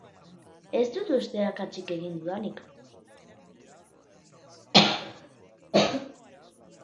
Ez dut uste akatsik egin dudanik.